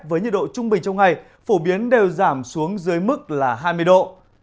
với nhiệt độ trung bình trong ngày phổ biến đều giảm xuống dưới mức là hai mươi độ